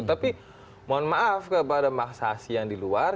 tapi mohon maaf kepada maksasi yang di luar